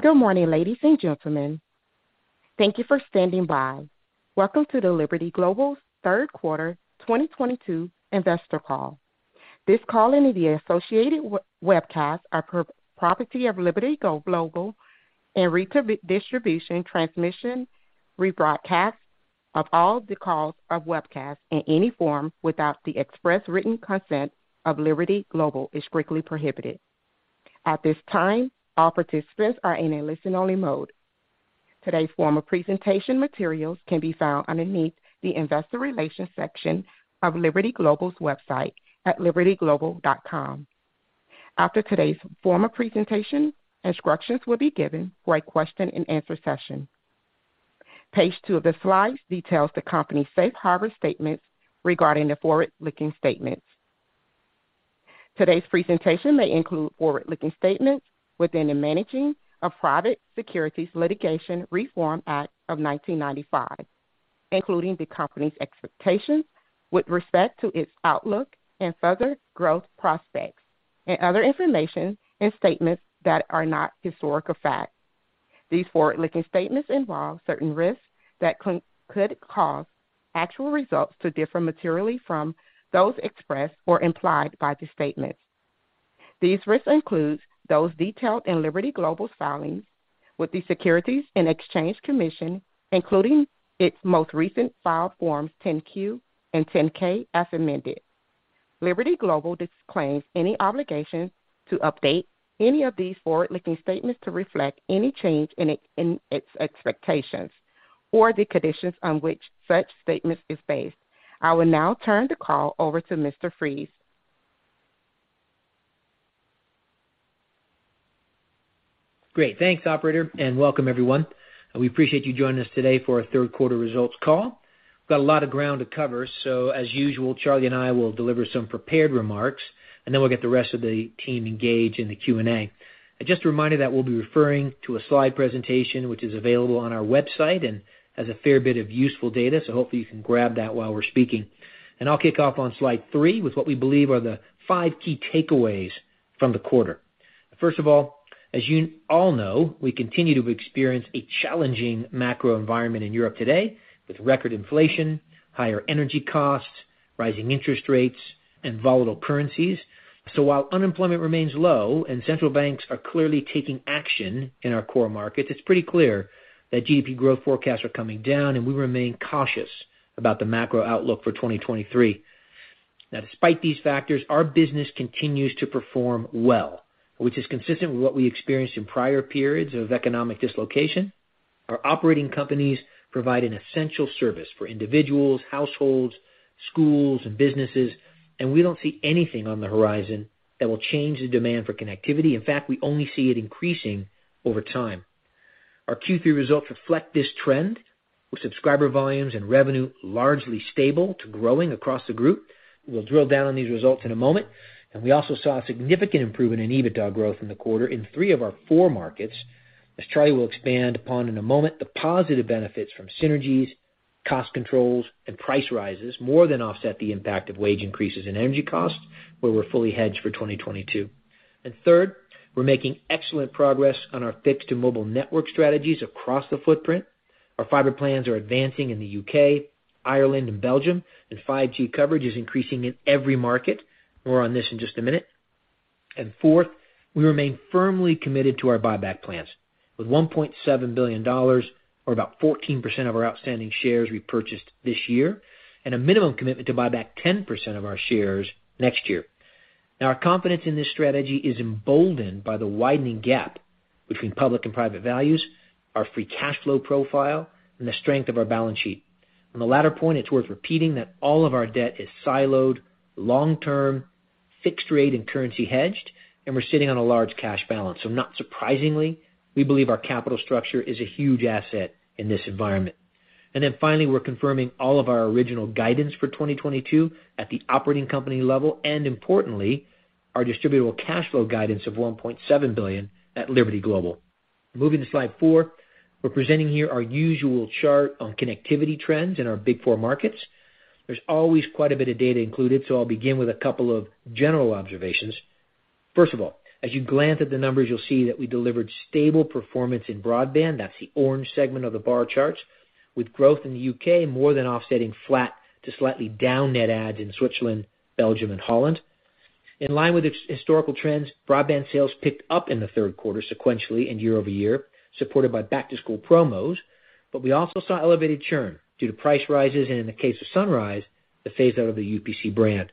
Good morning, ladies and gentlemen. Thank you for standing by. Welcome to the Liberty Global third quarter 2022 investor call. This call and the associated webcast are the property of Liberty Global, and redistribution, transmission, or rebroadcast of all or any of the call or webcast in any form without the express written consent of Liberty Global is strictly prohibited. At this time, all participants are in a listen-only mode. Today's presentation materials can be found underneath the investor relations section of Liberty Global's website at libertyglobal.com. After today's formal presentation, instructions will be given for a question and answer session. Page two of the slides details the company's safe harbor statements regarding the forward-looking statements. Today's presentation may include forward-looking statements within the meaning of Private Securities Litigation Reform Act of 1995, including the company's expectations with respect to its outlook and further growth prospects, and other information and statements that are not historical facts. These forward-looking statements involve certain risks that could cause actual results to differ materially from those expressed or implied by the statements. These risks includes those detailed in Liberty Global's filings with the Securities and Exchange Commission, including its most recent filed Forms 10-Q and 10-K, as amended. Liberty Global disclaims any obligation to update any of these forward-looking statements to reflect any change in its expectations or the conditions on which such statement is based. I will now turn the call over to Mr. Fries. Great. Thanks, operator, and welcome everyone. We appreciate you joining us today for our third quarter results call. We've got a lot of ground to cover, so as usual, Charlie and I will deliver some prepared remarks, and then we'll get the rest of the team engaged in the Q&A. Just a reminder that we'll be referring to a slide presentation, which is available on our website and has a fair bit of useful data, so hopefully you can grab that while we're speaking. I'll kick off on slide three with what we believe are the five key takeaways from the quarter. First of all, as you all know, we continue to experience a challenging macro environment in Europe today with record inflation, higher energy costs, rising interest rates, and volatile currencies. While unemployment remains low and central banks are clearly taking action in our core markets, it's pretty clear that GDP growth forecasts are coming down, and we remain cautious about the macro outlook for 2023. Now, despite these factors, our business continues to perform well, which is consistent with what we experienced in prior periods of economic dislocation. Our operating companies provide an essential service for individuals, households, schools, and businesses, and we don't see anything on the horizon that will change the demand for connectivity. In fact, we only see it increasing over time. Our Q3 results reflect this trend, with subscriber volumes and revenue largely stable to growing across the group. We'll drill down on these results in a moment. We also saw a significant improvement in EBITDA growth in the quarter in three of our four markets. As Charlie will expand upon in a moment, the positive benefits from synergies, cost controls, and price rises more than offset the impact of wage increases in energy costs, where we're fully hedged for 2022. Third, we're making excellent progress on our fixed to mobile network strategies across the footprint. Our fiber plans are advancing in the U.K., Ireland, and Belgium, and 5G coverage is increasing in every market. More on this in just a minute. Fourth, we remain firmly committed to our buyback plans with $1.7 billion or about 14% of our outstanding shares repurchased this year, and a minimum commitment to buy back 10% of our shares next year. Now, our confidence in this strategy is emboldened by the widening gap between public and private values, our free cash flow profile, and the strength of our balance sheet. On the latter point, it's worth repeating that all of our debt is siloed, long-term, fixed rate and currency hedged, and we're sitting on a large cash balance. Not surprisingly, we believe our capital structure is a huge asset in this environment. Finally, we're confirming all of our original guidance for 2022 at the operating company level and importantly, our distributable cash flow guidance of $1.7 billion at Liberty Global. Moving to slide 4, we're presenting here our usual chart on connectivity trends in our big four markets. There's always quite a bit of data included, so I'll begin with a couple of general observations. First of all, as you glance at the numbers, you'll see that we delivered stable performance in broadband. That's the orange segment of the bar charts, with growth in the U.K. more than offsetting flat to slightly down net adds in Switzerland, Belgium, and Holland. In line with historical trends, broadband sales picked up in the third quarter sequentially and year-over-year, supported by back-to-school promos. We also saw elevated churn due to price rises and in the case of Sunrise, the phase out of the UPC brand.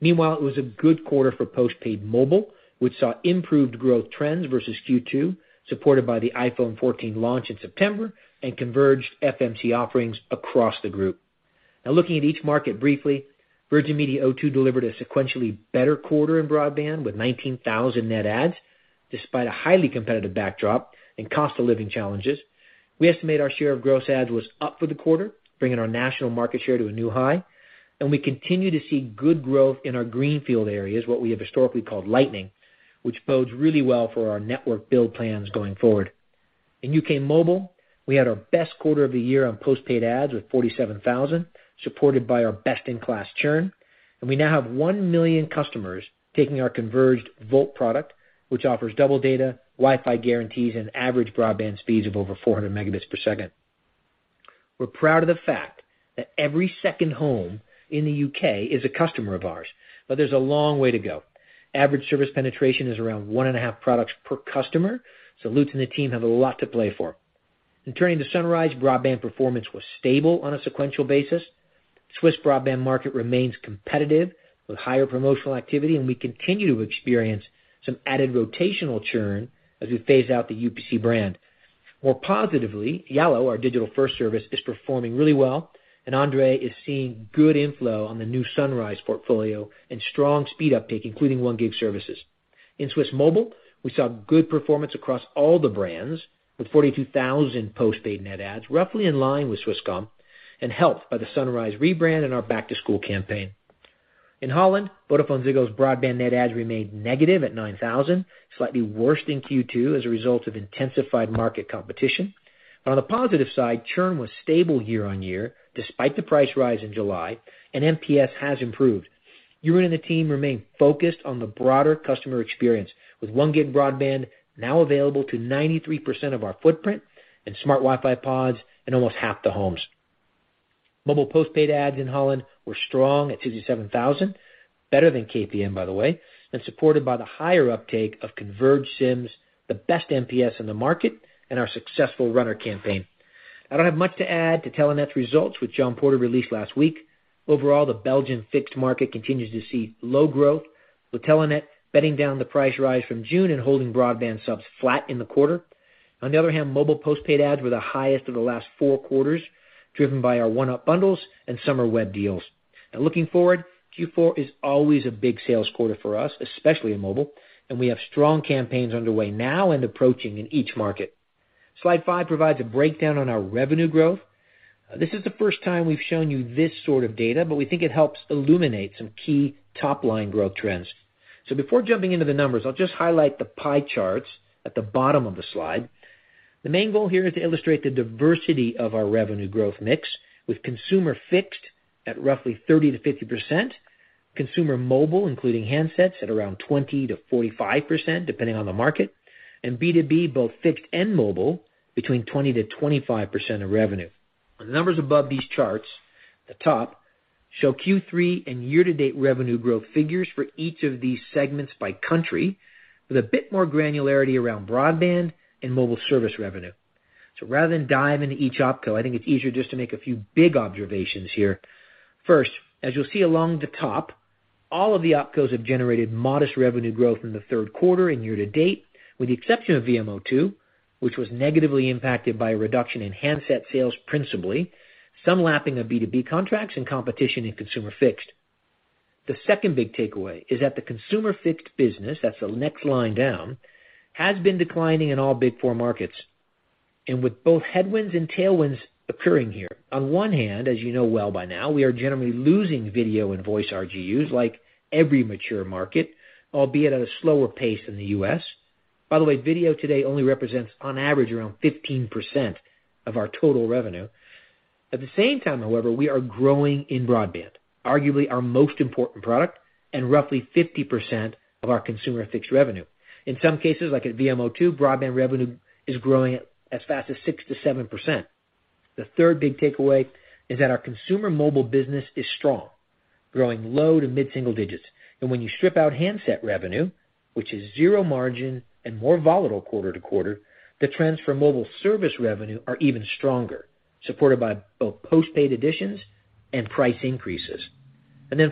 Meanwhile, it was a good quarter for post-paid mobile, which saw improved growth trends versus Q2, supported by the iPhone 14 launch in September and converged FMC offerings across the group. Now looking at each market briefly, Virgin Media O2 delivered a sequentially better quarter in broadband with 19,000 net adds. Despite a highly competitive backdrop and cost of living challenges, we estimate our share of gross adds was up for the quarter, bringing our national market share to a new high. We continue to see good growth in our greenfield areas, what we have historically called Lightning, which bodes really well for our network build plans going forward. In U.K. Mobile, we had our best quarter of the year on postpaid adds with 47,000, supported by our best-in-class churn. We now have 1 million customers taking our converged Volt product, which offers double data, Wi-Fi guarantees and average broadband speeds of over 400 Mbps. We're proud of the fact that every second home in the U.K. is a customer of ours, but there's a long way to go. Average service penetration is around 1.5 products per customer, so Lutz and the team have a lot to play for. Turning to Sunrise, broadband performance was stable on a sequential basis. Swiss broadband market remains competitive with higher promotional activity, and we continue to experience some added rotational churn as we phase out the UPC brand. More positively, yallo, our digital first service, is performing really well, and André is seeing good inflow on the new Sunrise portfolio and strong speed uptake, including 1 Gbpsservices. In Swiss Mobile, we saw good performance across all the brands, with 42,000 postpaid net adds roughly in line with Swisscom and helped by the Sunrise rebrand and our back to school campaign. In Holland, VodafoneZiggo's broadband net adds remained negative at 9,000, slightly worse than Q2 as a result of intensified market competition. On the positive side, churn was stable year-over-year, despite the price rise in July, and NPS has improved. Jeroen and the team remain focused on the broader customer experience, with 1 Gig broadband now available to 93% of our footprint and smart Wi-Fi pods in almost half the homes. Mobile postpaid adds in Holland were strong at 67,000, better than KPN, by the way, and supported by the higher uptake of converged SIMs, the best NPS in the market, and our successful runner campaign. I don't have much to add to Telenet's results, which John Porter released last week. Overall, the Belgian fixed market continues to see low growth, with Telenet bedding down the price rise from June and holding broadband subs flat in the quarter. On the other hand, mobile postpaid adds were the highest of the last four quarters, driven by our ONE(Up) bundles and summer web deals. Now looking forward, Q4 is always a big sales quarter for us, especially in mobile, and we have strong campaigns underway now and approaching in each market. Slide five provides a breakdown on our revenue growth. This is the first time we've shown you this sort of data, but we think it helps illuminate some key top-line growth trends. Before jumping into the numbers, I'll just highlight the pie charts at the bottom of the slide. The main goal here is to illustrate the diversity of our revenue growth mix, with consumer fixed at roughly 30% to 50%, consumer mobile, including handsets, at around 20% to 45%, depending on the market, and B2B, both fixed and mobile, between 20% to 25% of revenue. The numbers above these charts at the top show Q3 and year-to-date revenue growth figures for each of these segments by country, with a bit more granularity around broadband and mobile service revenue. Rather than dive into each opco, I think it's easier just to make a few big observations here. First, as you'll see along the top, all of the opcos have generated modest revenue growth in the third quarter and year to date, with the exception of VMO2, which was negatively impacted by a reduction in handset sales principally, some lapping of B2B contracts, and competition in consumer fixed. The second big takeaway is that the consumer fixed business, that's the next line down, has been declining in all big four markets and with both headwinds and tailwinds occurring here. On one hand, as you know well by now, we are generally losing video and voice RGUs like every mature market, albeit at a slower pace than the U.S. By the way, video today only represents on average around 15% of our total revenue. At the same time, however, we are growing in broadband, arguably our most important product and roughly 50% of our consumer fixed revenue. In some cases, like at VMO2, broadband revenue is growing as fast as 6% to 7%. The third big takeaway is that our consumer mobile business is strong, growing low- to mid-single digits. When you strip out handset revenue, which is zero margin and more volatile quarter to quarter, the trends for mobile service revenue are even stronger, supported by both postpaid additions and price increases.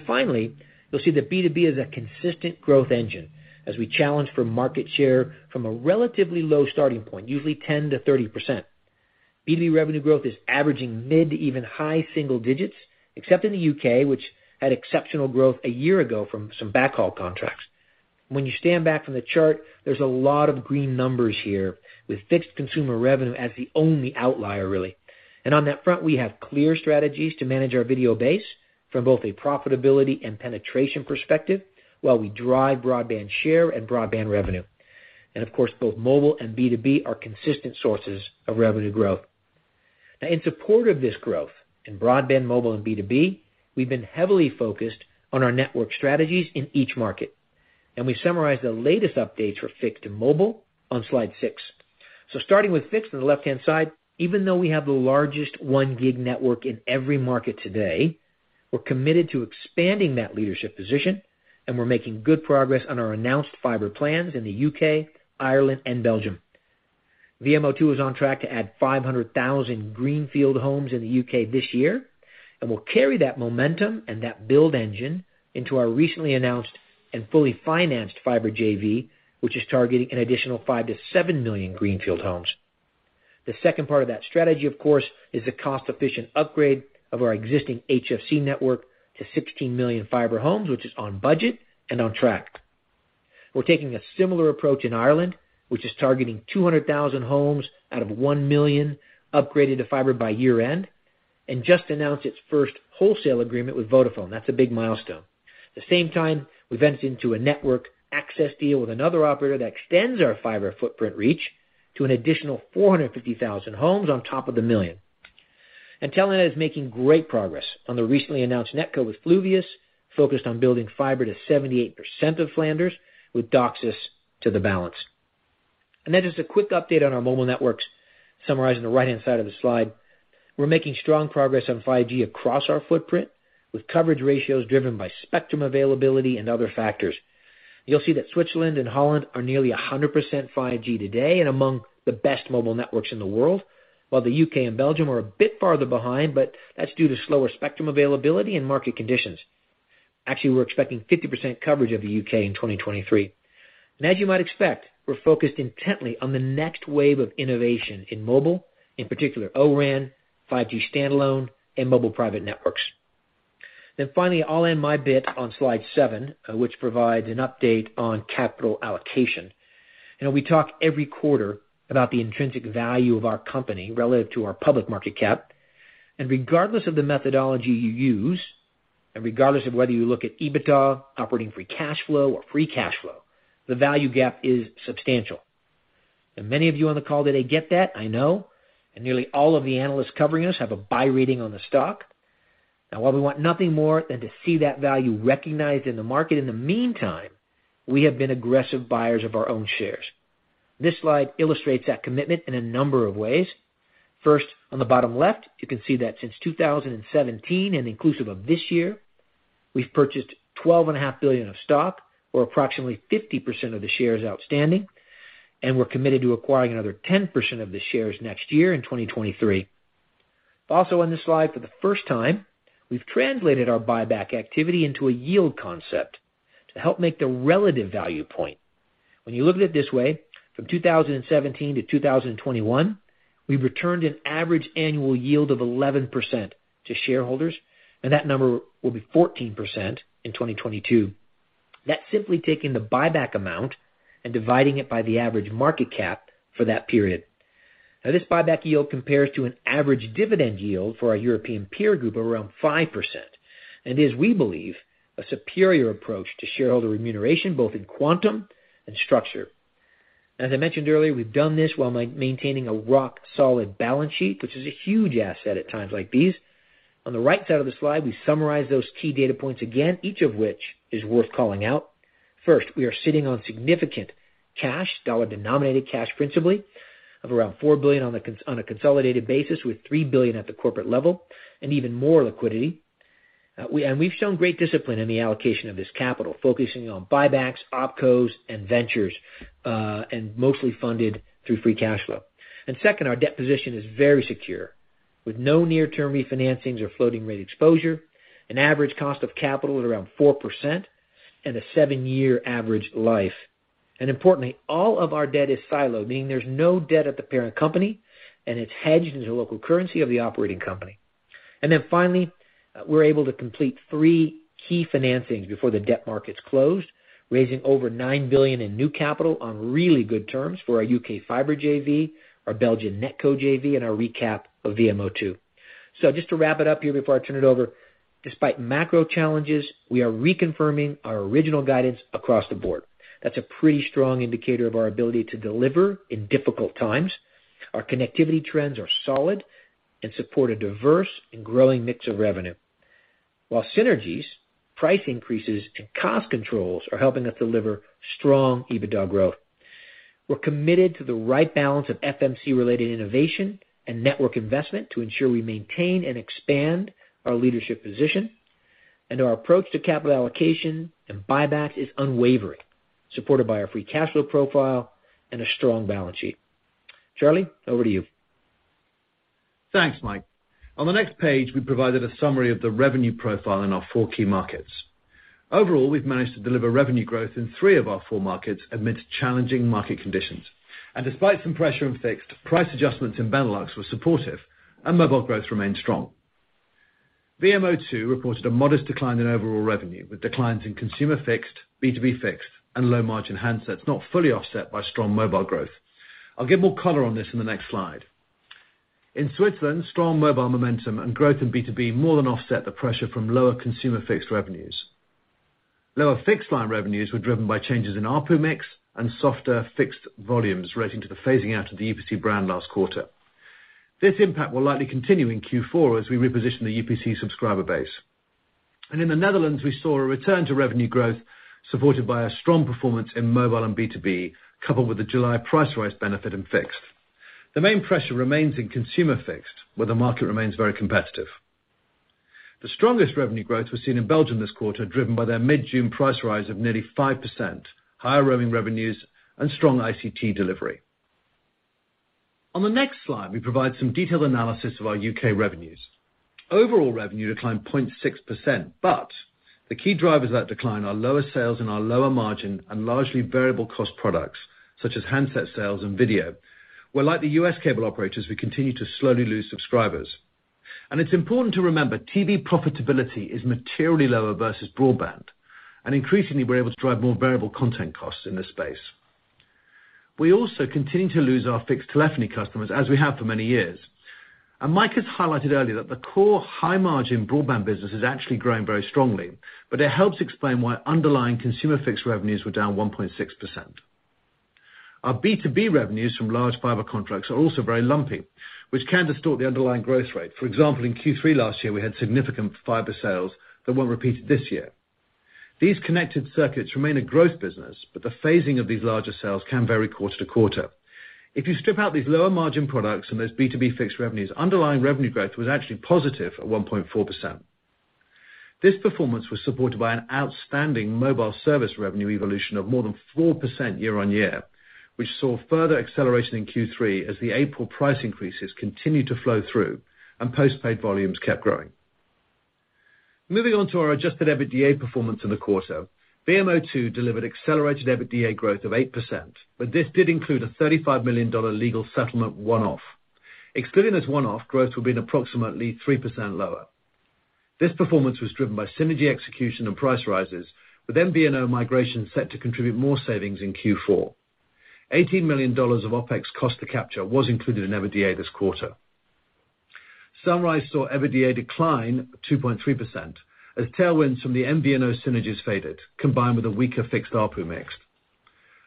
Finally, you'll see that B2B is a consistent growth engine as we challenge for market share from a relatively low starting point, usually 10%-30%. B2B revenue growth is averaging mid- to even high single digits, except in the U.K., which had exceptional growth a year ago from some backhaul contracts. When you stand back from the chart, there's a lot of green numbers here, with fixed consumer revenue as the only outlier, really. On that front, we have clear strategies to manage our video base from both a profitability and penetration perspective, while we drive broadband share and broadband revenue. Of course, both mobile and B2B are consistent sources of revenue growth. Now, in support of this growth in broadband, mobile, and B2B, we've been heavily focused on our network strategies in each market, and we summarize the latest updates for fixed and mobile on slide 6. Starting with fixed on the left-hand side, even though we have the largest 1 Gig network in every market today, we're committed to expanding that leadership position, and we're making good progress on our announced fiber plans in the U.K., Ireland, and Belgium. VMO2 is on track to add 500,000 greenfield homes in the U.K. this year and will carry that momentum and that build engine into our recently announced and fully financed fiber JV, which is targeting an additional 5 million to 7 million greenfield homes. The second part of that strategy, of course, is the cost-efficient upgrade of our existing HFC network to 16 million fiber homes, which is on budget and on track. We're taking a similar approach in Ireland, which is targeting 200,000 homes out of 1 million upgraded to fiber by year-end. Just announced its first wholesale agreement with Vodafone. That's a big milestone. At the same time, we've entered into a network access deal with another operator that extends our fiber footprint reach to an additional 450,000 homes on top of the 1 million. Telenet is making great progress on the recently announced NetCo with Fluvius, focused on building fiber to 78% of Flanders with DOCSIS to the balance. Just a quick update on our mobile networks, summarized on the right-hand side of the slide. We're making strong progress on 5G across our footprint, with coverage ratios driven by spectrum availability and other factors. You'll see that Switzerland and Holland are nearly 100% 5G today and among the best mobile networks in the world, while the U.K. and Belgium are a bit farther behind, but that's due to slower spectrum availability and market conditions. Actually, we're expecting 50% coverage of the U.K. in 2023. As you might expect, we're focused intently on the next wave of innovation in mobile, in particular O-RAN, 5G Standalone, and mobile private networks. Finally, I'll end my bit on slide 7, which provides an update on capital allocation. You know, we talk every quarter about the intrinsic value of our company relative to our public market cap. Regardless of the methodology you use, and regardless of whether you look at EBITDA, operating free cash flow, or free cash flow, the value gap is substantial. Many of you on the call today get that, I know, and nearly all of the analysts covering us have a buy rating on the stock. Now, while we want nothing more than to see that value recognized in the market, in the meantime, we have been aggressive buyers of our own shares. This slide illustrates that commitment in a number of ways. First, on the bottom left, you can see that since 2017 and inclusive of this year, we've purchased $12.5 billion of stock, or approximately 50% of the shares outstanding, and we're committed to acquiring another 10% of the shares next year in 2023. Also on this slide, for the first time, we've translated our buyback activity into a yield concept to help make the relative value point. When you look at it this way, from 2017 to 2021, we've returned an average annual yield of 11% to shareholders, and that number will be 14% in 2022. That's simply taking the buyback amount and dividing it by the average market cap for that period. Now this buyback yield compares to an average dividend yield for our European peer group of around 5%, and is, we believe, a superior approach to shareholder remuneration, both in quantum and structure. As I mentioned earlier, we've done this while maintaining a rock-solid balance sheet, which is a huge asset at times like these. On the right side of the slide, we summarize those key data points again, each of which is worth calling out. First, we are sitting on significant cash, dollar-denominated cash principally, of around $4 billion on a consolidated basis, with $3 billion at the corporate level and even more liquidity. We've shown great discipline in the allocation of this capital, focusing on buybacks, opcos, and ventures, and mostly funded through free cash flow. Second, our debt position is very secure, with no near-term refinancings or floating rate exposure, an average cost of capital at around 4%, and a 7-year average life. Importantly, all of our debt is siloed, meaning there's no debt at the parent company, and it's hedged into the local currency of the operating company. Then finally, we're able to complete three key financings before the debt markets closed, raising over $9 billion in new capital on really good terms for our U.K. fiber JV, our Belgian NetCo JV, and our recap of VMO2. Just to wrap it up here before I turn it over, despite macro challenges, we are reconfirming our original guidance across the board. That's a pretty strong indicator of our ability to deliver in difficult times. Our connectivity trends are solid and support a diverse and growing mix of revenue. While synergies, price increases, and cost controls are helping us deliver strong EBITDA growth. We're committed to the right balance of FMC-related innovation and network investment to ensure we maintain and expand our leadership position. Our approach to capital allocation and buybacks is unwavering, supported by our free cash flow profile and a strong balance sheet. Charlie, over to you. Thanks, Mike. On the next page, we provided a summary of the revenue profile in our four key markets. Overall, we've managed to deliver revenue growth in three of our four markets amidst challenging market conditions. Despite some pressure in fixed, price adjustments in Benelux were supportive and mobile growth remained strong. VMO2 reported a modest decline in overall revenue, with declines in consumer fixed, B2B fixed, and low-margin handsets, not fully offset by strong mobile growth. I'll give more color on this in the next slide. In Switzerland, strong mobile momentum and growth in B2B more than offset the pressure from lower consumer fixed revenues. Lower fixed line revenues were driven by changes in ARPU mix and softer fixed volumes relating to the phasing out of the UPC brand last quarter. This impact will likely continue in Q4 as we reposition the UPC subscriber base. In the Netherlands, we saw a return to revenue growth supported by a strong performance in mobile and B2B, coupled with the July price rise benefit in fixed. The main pressure remains in consumer fixed, where the market remains very competitive. The strongest revenue growth was seen in Belgium this quarter, driven by their mid-June price rise of nearly 5%, higher roaming revenues, and strong ICT delivery. On the next slide, we provide some detailed analysis of our U.K. revenues. Overall revenue declined 0.6%, but the key drivers of that decline are lower sales in our lower margin and largely variable cost products, such as handset sales and video, where, like the U.S. cable operators, we continue to slowly lose subscribers. It's important to remember, TV profitability is materially lower versus broadband, and increasingly, we're able to drive more variable content costs in this space. We also continue to lose our fixed telephony customers, as we have for many years. Mike has highlighted earlier that the core high-margin broadband business has actually grown very strongly, but it helps explain why underlying consumer fixed revenues were down 1.6%. Our B2B revenues from large fiber contracts are also very lumpy, which can distort the underlying growth rate. For example, in Q3 last year, we had significant fiber sales that won't repeat this year. These connected circuits remain a growth business, but the phasing of these larger sales can vary quarter to quarter. If you strip out these lower margin products and those B2B fixed revenues, underlying revenue growth was actually positive at 1.4%. This performance was supported by an outstanding mobile service revenue evolution of more than 4% year-on-year, which saw further acceleration in Q3 as the April price increases continued to flow through and post-paid volumes kept growing. Moving on to our adjusted EBITDA performance in the quarter. VMO2 delivered accelerated EBITDA growth of 8%, but this did include a $35 million legal settlement one-off. Excluding this one-off, growth would have been approximately 3% lower. This performance was driven by synergy execution and price rises, with MVNO migration set to contribute more savings in Q4. $18 million of OpEx cost to capture was included in EBITDA this quarter. Sunrise saw EBITDA decline 2.3% as tailwinds from the MVNO synergies faded, combined with a weaker fixed ARPU mix.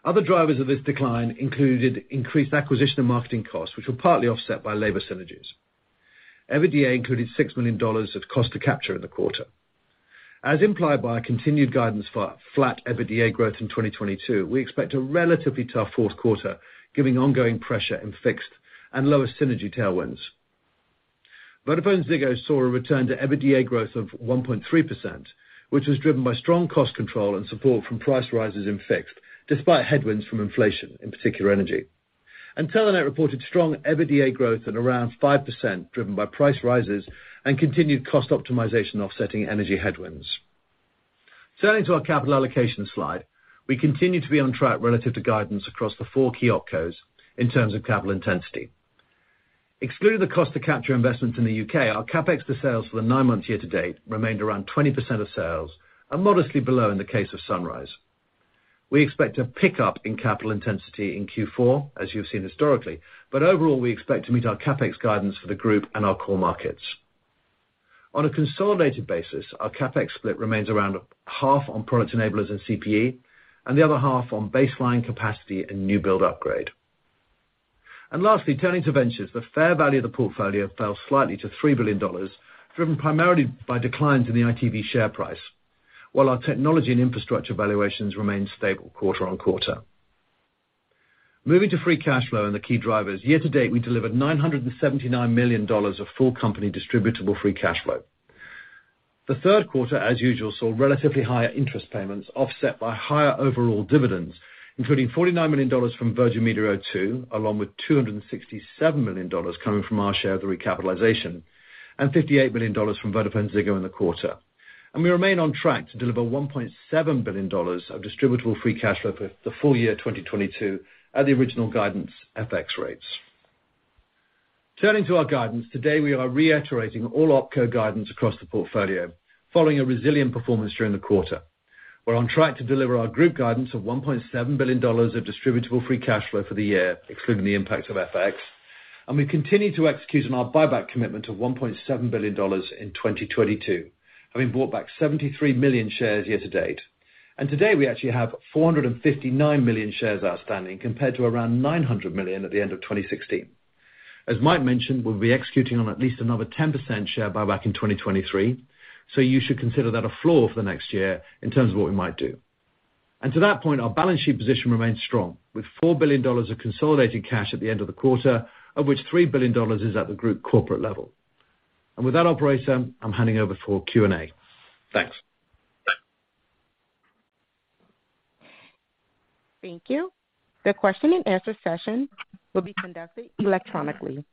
Other drivers of this decline included increased acquisition and marketing costs, which were partly offset by labor synergies. EBITDA included $6 million of cost to capture in the quarter. As implied by our continued guidance for flat EBITDA growth in 2022, we expect a relatively tough fourth quarter, giving ongoing pressure in fixed and lower synergy tailwinds. VodafoneZiggo saw a return to EBITDA growth of 1.3%, which was driven by strong cost control and support from price rises in fixed, despite headwinds from inflation, in particular energy. Telenet reported strong EBITDA growth at around 5%, driven by price rises and continued cost optimization offsetting energy headwinds. Turning to our capital allocation slide. We continue to be on track relative to guidance across the four key opcos in terms of capital intensity. Excluding the cost to capture investments in the U.K., our CapEx to sales for the nine months year-to-date remained around 20% of sales and modestly below in the case of Sunrise. We expect a pickup in capital intensity in Q4, as you've seen historically, but overall, we expect to meet our CapEx guidance for the group and our core markets. On a consolidated basis, our CapEx split remains around half on product enablers and CPE, and the other half on baseline capacity and new build upgrade. Lastly, turning to Ventures. The fair value of the portfolio fell slightly to $3 billion, driven primarily by declines in the ITV share price, while our technology and infrastructure valuations remained stable quarter-over-quarter. Moving to free cash flow and the key drivers. Year-to-date, we delivered $979 million of full company distributable free cash flow. The third quarter, as usual, saw relatively higher interest payments offset by higher overall dividends, including $49 million from Virgin Media O2, along with $267 million coming from our share of the recapitalization, and $58 million from VodafoneZiggo in the quarter. We remain on track to deliver $1.7 billion of distributable free cash flow for the full year 2022 at the original guidance FX rates. Turning to our guidance. Today, we are reiterating all opco guidance across the portfolio following a resilient performance during the quarter. We're on track to deliver our group guidance of $1.7 billion of distributable free cash flow for the year, excluding the impact of FX. We continue to execute on our buyback commitment of $1.7 billion in 2022, having bought back 73 million shares year-to-date. Today, we actually have 459 million shares outstanding compared to around 900 million at the end of 2016. As Mike mentioned, we'll be executing on at least another 10% share buyback in 2023, so you should consider that a floor for the next year in terms of what we might do. To that point, our balance sheet position remains strong, with $4 billion of consolidated cash at the end of the quarter, of which $3 billion is at the group corporate level. With that operator, I'm handing over for Q&A. Thanks. Thank you. The question-and-answer session will be conducted electronically.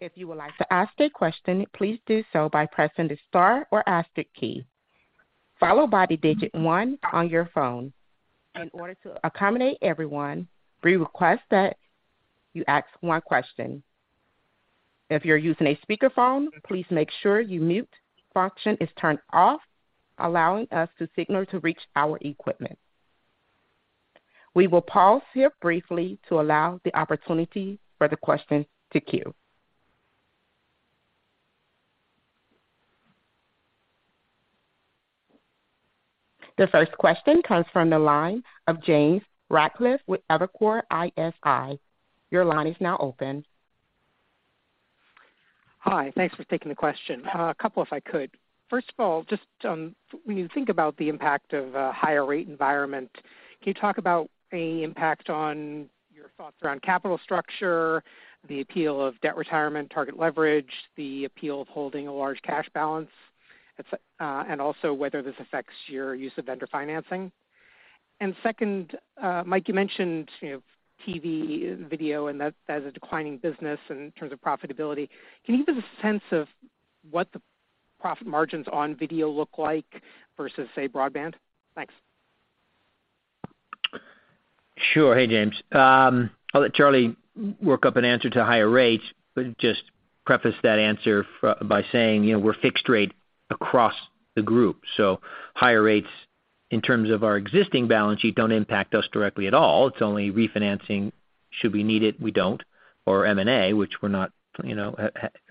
If you would like to ask a question, please do so by pressing the star or asterisk key, followed by the digit one on your phone. In order to accommodate everyone, we request that you ask one question. If you're using a speakerphone, please make sure your mute function is turned off, allowing your signal to reach our equipment. We will pause here briefly to allow the opportunity for the questions to queue. The first question comes from the line of James Ratcliffe with Evercore ISI. Your line is now open. Hi. Thanks for taking the question. A couple if I could. First of all, just, when you think about the impact of a higher rate environment, can you talk about any impact on your thoughts around capital structure, the appeal of debt retirement, target leverage, the appeal of holding a large cash balance, and also whether this affects your use of vendor financing? Second, Mike, you mentioned, you know, TV, video, and that as a declining business in terms of profitability. Can you give us a sense of what the profit margins on video look like versus, say, broadband? Thanks. Sure. Hey, James. I'll let Charlie work up an answer to higher rates, but just preface that answer by saying, you know, we're fixed rate across the group. Higher rates in terms of our existing balance sheet don't impact us directly at all. It's only refinancing should we need it, we don't, or M&A, which we're not, you know,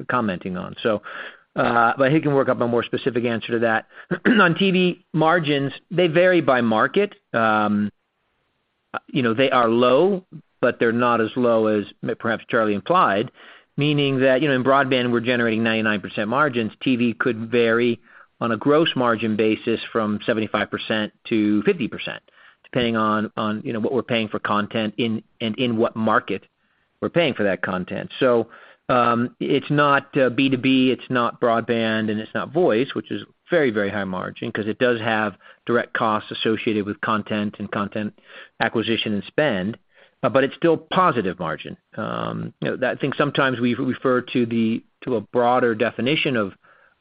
commenting on. He can work up a more specific answer to that. On TV margins, they vary by market. You know, they are low, but they're not as low as perhaps Charlie implied. Meaning that, you know, in broadband, we're generating 99% margins. TV could vary on a gross margin basis from 75% to 50%, depending on you know, what we're paying for content in, and in what market we're paying for that content. It's not B2B, it's not broadband, and it's not voice, which is very, very high margin because it does have direct costs associated with content and content acquisition and spend, but it's still positive margin. You know, that thing sometimes we refer to the, to a broader definition of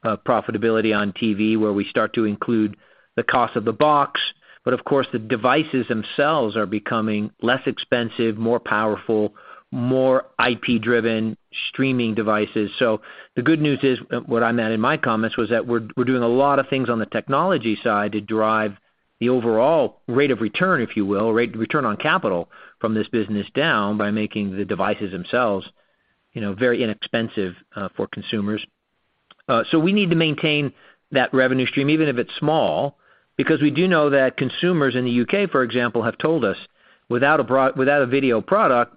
profitability on TV, where we start to include the cost of the box. But of course, the devices themselves are becoming less expensive, more powerful, more IP-driven streaming devices. The good news is, what I meant in my comments, was that we're doing a lot of things on the technology side to drive the overall rate of return, if you will, rate of return on capital from this business down by making the devices themselves, you know, very inexpensive for consumers. We need to maintain that revenue stream, even if it's small, because we do know that consumers in the U.K., for example, have told us, without a video product,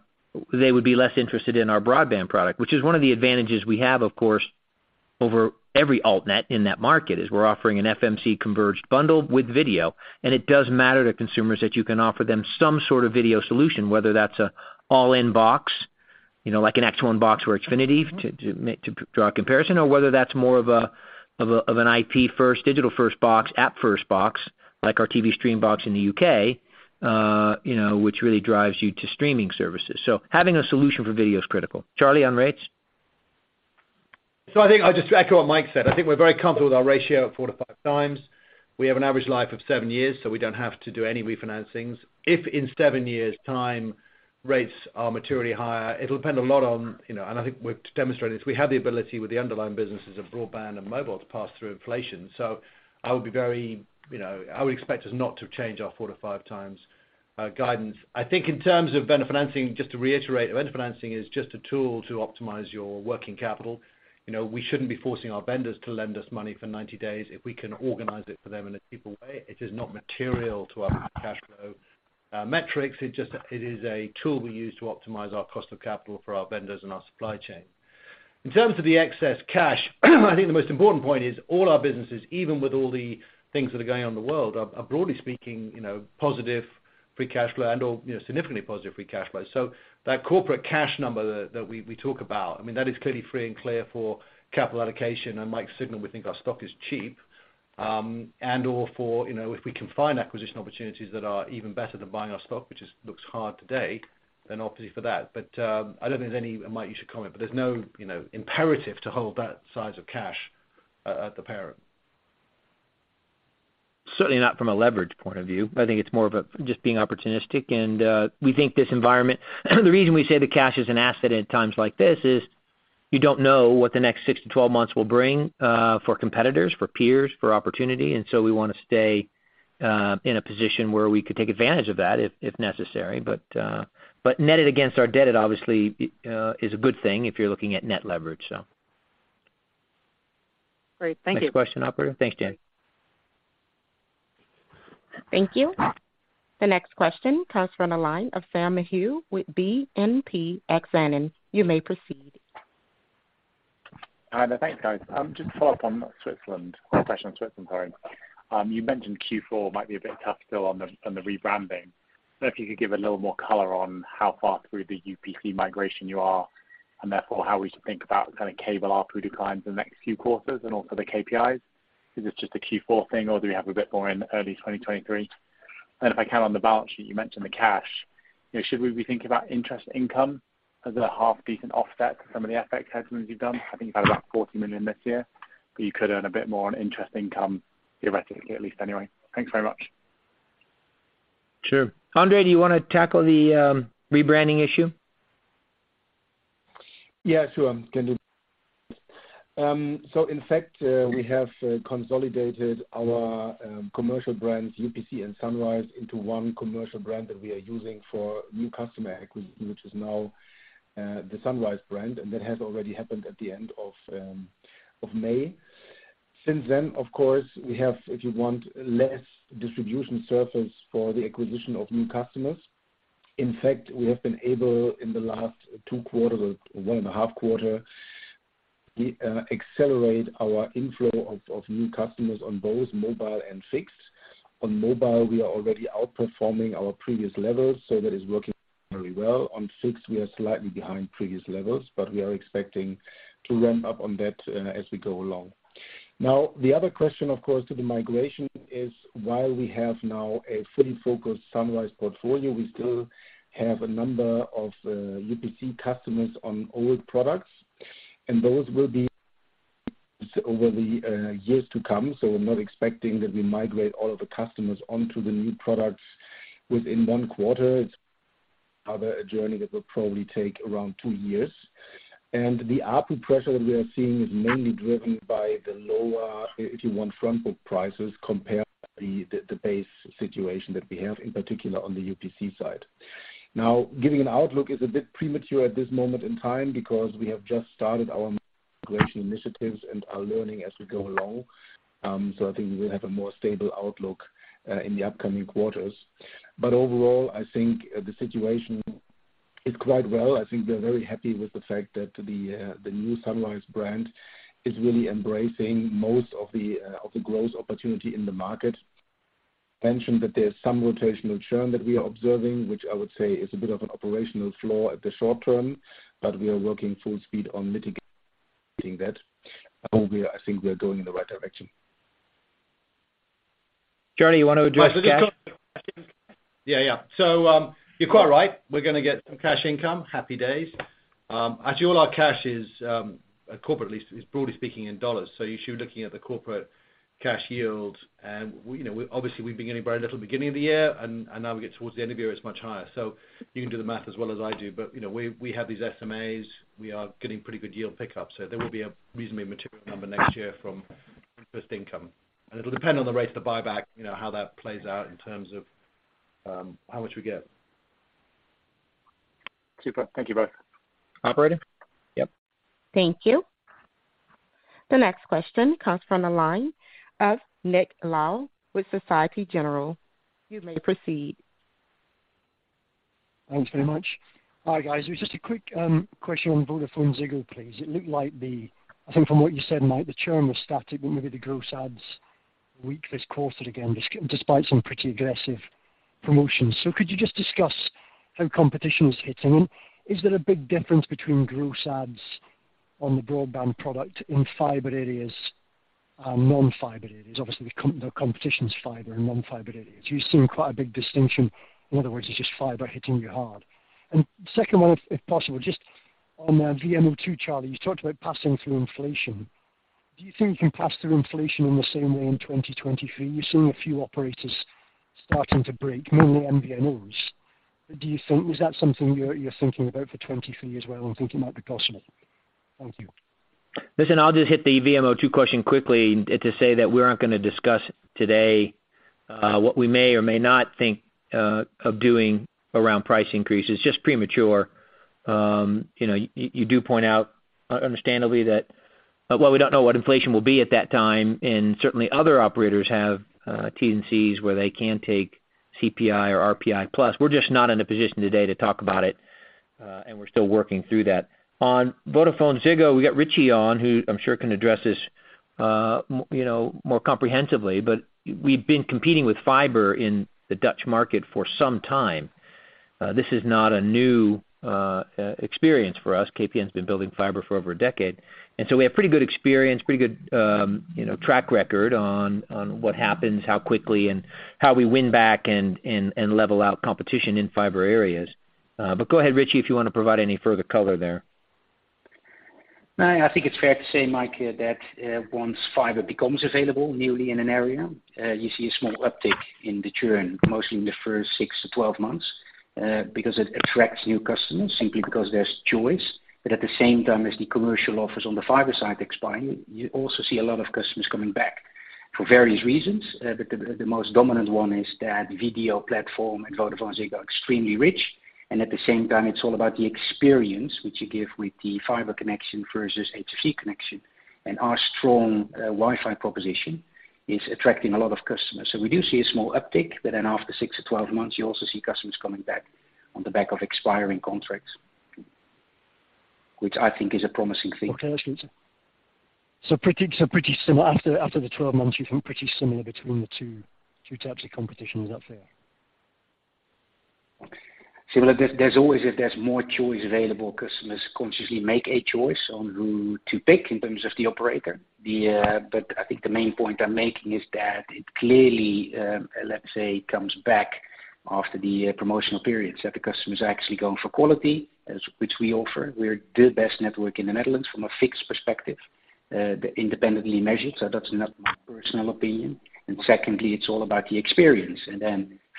they would be less interested in our broadband product, which is one of the advantages we have, of course, over every altnet in that market, is we're offering an FMC converged bundle with video. It does matter to consumers that you can offer them some sort of video solution, whether that's an all-in box, you know, like an X1 box or Xfinity too, to draw a comparison, or whether that's more of an IP-first, digital-first box, app-first box, like our TV Stream box in the U.K., you know, which really drives you to streaming services. Having a solution for video is critical. Charlie, on rates. I think I'll just echo what Mike said. I think we're very comfortable with our ratio of 4x to 5x. We have an average life of seven years, so we don't have to do any refinancings. If in 7 years' time, rates are materially higher, it'll depend a lot on, you know, and I think we've demonstrated this. We have the ability with the underlying businesses of broadband and mobile to pass through inflation. I would be very, you know, I would expect us not to change our 4x to 5x guidance. I think in terms of vendor financing, just to reiterate, vendor financing is just a tool to optimize your working capital. You know, we shouldn't be forcing our vendors to lend us money for 90 days if we can organize it for them in a cheaper way. It is not material to our cash flow metrics. It just, it is a tool we use to optimize our cost of capital for our vendors and our supply chain. In terms of the excess cash, I think the most important point is all our businesses, even with all the things that are going on in the world, are broadly speaking, you know, positive free cash flow and/or, you know, significantly positive free cash flow. So that corporate cash number that we talk about, I mean, that is clearly free and clear for capital allocation. Mike signaled we think our stock is cheap. And/or for, you know, if we can find acquisition opportunities that are even better than buying our stock, which looks hard today, then obviously for that. I don't think there's any, and Mike you should comment, but there's no, you know, imperative to hold that size of cash at the parent. Certainly not from a leverage point of view. I think it's more of just being opportunistic and we think this environment. The reason we say the cash is an asset at times like this is you don't know what the next 6 to 12 months will bring for competitors, for peers, for opportunity. We want to stay in a position where we could take advantage of that if necessary. But netted against our debt, it obviously is a good thing if you're looking at net leverage. Great. Thank you. Next question, operator. Thanks, James. Thank you. The next question comes from the line of Steve Malcolm with BNP Paribas Exane. You may proceed. Hi there. Thanks, guys. Just to follow up on Switzerland, question on Switzerland, sorry. You mentioned Q4 might be a bit tough still on the rebranding. If you could give a little more color on how far through the UPC migration you are, and therefore how we should think about kind of cable ARPU declines in the next few quarters and also the KPIs. Is this just a Q4 thing, or do we have a bit more in early 2023? If I can on the balance sheet, you mentioned the cash. You know, should we be thinking about interest income as a half-decent offset to some of the FX hedgings you've done? I think you've had about $40 million this year, but you could earn a bit more on interest income, theoretically, at least anyway. Thanks very much. Sure. André, do you wanna tackle the rebranding issue? Yeah, sure. I can do. In fact, we have consolidated our commercial brands, UPC and Sunrise, into one commercial brand that we are using for new customer acquisition, which is now the Sunrise brand, and that has already happened at the end of May. Since then, of course, we have, if you want, less distribution surface for the acquisition of new customers. In fact, we have been able, in the last two quarters or one and a half quarter, accelerate our inflow of new customers on both mobile and fixed. On mobile, we are already outperforming our previous levels, so that is working very well. On fixed, we are slightly behind previous levels, but we are expecting to ramp up on that, as we go along. Now, the other question, of course, to the migration is, while we have now a fully focused Sunrise portfolio, we still have a number of UPC customers on old products, and those will be over the years to come. We're not expecting that we migrate all of the customers onto the new products within one quarter. It's a journey that will probably take around two years. The ARPU pressure that we are seeing is mainly driven by the lower, if you want, front book prices compared to the base situation that we have in particular on the UPC side. Now, giving an outlook is a bit premature at this moment in time because we have just started our integration initiatives and are learning as we go along. I think we will have a more stable outlook in the upcoming quarters. Overall, I think the situation is quite well. I think they're very happy with the fact that the new Sunrise brand is really embracing most of the growth opportunity in the market. Mentioned that there's some rotational churn that we are observing, which I would say is a bit of an operational flaw in the short term, but we are working at full speed on mitigating that. I hope we are. I think we are going in the right direction. Charlie, you wanna address cash? Yeah, yeah. You're quite right. We're gonna get some cash income. Happy days. Actually, all our cash is corporate, at least, broadly speaking in dollars. You should be looking at the corporate cash yield. You know, obviously, we had very little at the beginning of the year, and now we get towards the end of the year, it's much higher. You can do the math as well as I do. You know, we have these SMAs. We are getting pretty good yield pickup. There will be a reasonably material number next year from interest income. It'll depend on the rate of the buyback, you know, how that plays out in terms of how much we get. Super. Thank you both. Operator? Yep. Thank you. The next question comes from the line of Nick Lyall with Société Générale. You may proceed. Thanks very much. Hi, guys. It was just a quick question on VodafoneZiggo, please. It looked like the I think from what you said, Mike, the churn was static, but maybe the gross adds weak this quarter again, despite some pretty aggressive promotions. Could you just discuss how competition is hitting? Is there a big difference between gross adds on the broadband product in fiber areas, non-fiber areas? Obviously, the competition's fiber and non-fiber areas. You've seen quite a big distinction. In other words, it's just fiber hitting you hard. Second one, if possible, just on VMO2, Charlie, you talked about passing through inflation. Do you think you can pass through inflation in the same way in 2023? You're seeing a few operators starting to break, mainly MVNOs. Do you think is that something you're thinking about for 2023 as well and think it might be possible? Thank you. Listen, I'll just hit the VMO2 question quickly to say that we aren't gonna discuss today what we may or may not think of doing around price increases. Just premature. You know, you do point out understandably that while we don't know what inflation will be at that time, and certainly other operators have T&Cs where they can take CPI or RPI plus, we're just not in a position today to talk about it, and we're still working through that. On VodafoneZiggo, we got Ritchy on, who I'm sure can address this you know more comprehensively. We've been competing with fiber in the Dutch market for some time. This is not a new experience for us. KPN's been building fiber for over a decade, and so we have pretty good experience, pretty good, you know, track record on what happens, how quickly and how we win back and level out competition in fiber areas. Go ahead, Ritchy, if you wanna provide any further color there. No, I think it's fair to say, Mike, that once fiber becomes available newly in an area, you see a small uptick in the churn, mostly in the first 6 to 12 months, because it attracts new customers simply because there's choice. But at the same time as the commercial offers on the fiber side expiring, you also see a lot of customers coming back for various reasons. The most dominant one is that the VDL platform at VodafoneZiggo are extremely rich. At the same time, it's all about the experience which you give with the fiber connection versus HFC connection. Our strong Wi-Fi proposition is attracting a lot of customers. We do see a small uptick. After 6 to 12 months, you also see customers coming back on the back of expiring contracts, which I think is a promising thing. Okay. Pretty similar. After the 12 months, you think pretty similar between the two types of competition. Is that fair? Similar. There's always, if there's more choice available, customers consciously make a choice on who to pick in terms of the operator. But I think the main point I'm making is that it clearly comes back after the promotional periods, that the customer is actually going for quality as we offer. We're the best network in the Netherlands from a fixed perspective, independently measured. So that's not my personal opinion. Secondly, it's all about the experience.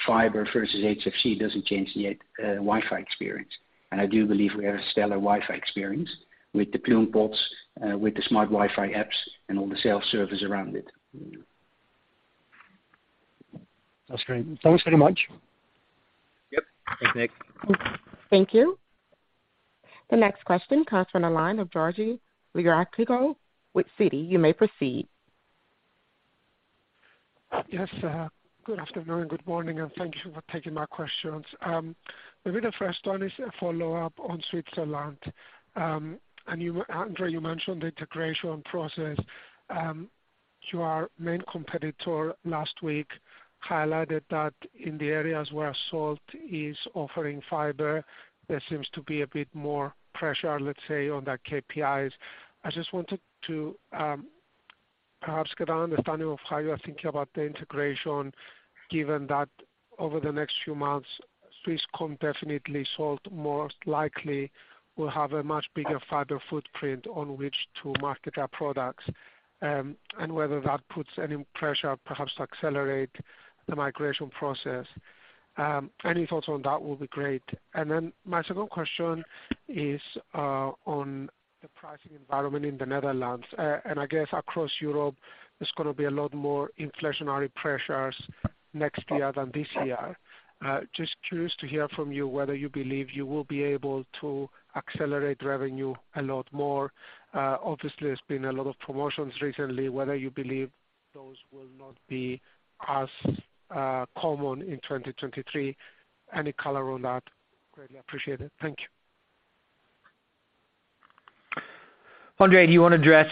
Fiber versus HFC doesn't change the Wi-Fi experience. I do believe we have a stellar Wi-Fi experience with the Plume Pods, with the smart Wi-Fi apps and all the self-service around it. That's great. Thanks very much. Yep. Thanks, Nick. Thank you. The next question comes from the line of Georgios Ierodiaconou with Citi. You may proceed. Yes. Good afternoon. Good morning, and thank you for taking my questions. Maybe the first one is a follow-up on Switzerland. You, André, you mentioned the integration process. Our main competitor last week highlighted that in the areas where Salt is offering fiber, there seems to be a bit more pressure, let's say, on the KPIs. I just wanted to perhaps get an understanding of how you are thinking about the integration, given that over the next few months, Swisscom definitely, Salt most likely will have a much bigger fiber footprint on which to market their products, and whether that puts any pressure perhaps to accelerate. The migration process. Any thoughts on that will be great. My second question is on the pricing environment in the Netherlands. I guess across Europe there's gonna be a lot more inflationary pressures next year than this year. Just curious to hear from you whether you believe you will be able to accelerate revenue a lot more. Obviously, there's been a lot of promotions recently, whether you believe those will not be as common in 2023. Any color on that, greatly appreciated. Thank you. André, do you wanna address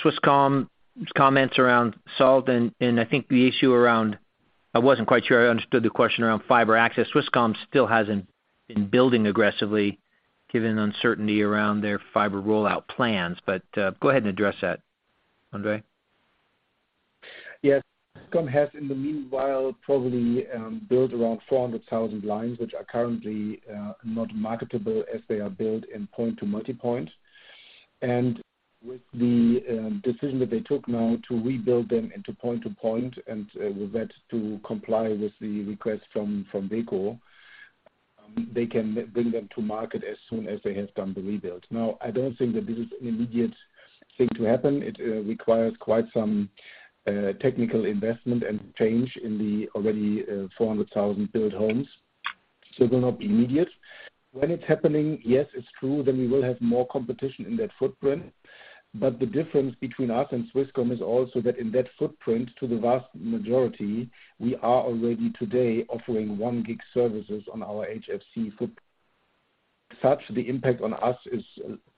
Swisscom's comments around Salt? I think I wasn't quite sure I understood the question around fiber access. Swisscom still hasn't been building aggressively given the uncertainty around their fiber rollout plans. Go ahead and address that, André. Yes. Swisscom has in the meanwhile, probably, built around 400,000 lines, which are currently not marketable as they are built in point-to-multipoint. With the decision that they took now to rebuild them into point-to-point, and with that to comply with the request from WEKO, they can bring them to market as soon as they have done the rebuild. Now, I don't think that this is an immediate thing to happen. It requires quite some technical investment and change in the already 400,000 built homes. It will not be immediate. When it's happening, yes, it's true, then we will have more competition in that footprint. The difference between us and Swisscom is also that in that footprint to the vast majority, we are already today offering 1 Gbps services on our HFC footprint. So, the impact on us is